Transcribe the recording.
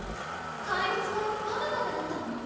怪物はパムパムだったの？